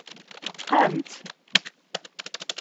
Teqqam-tt?